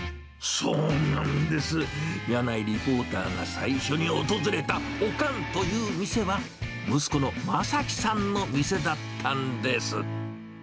そうなんです、やないリポーターが最初に訪れたオカンという店は、息子の正樹さんの店だったんです。